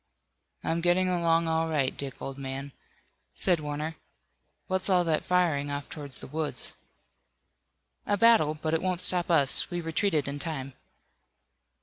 "I'm getting along all right, Dick, old man," said Warner. "What's all that firing off toward the woods?" "A battle, but it won't stop us. We retreated in time."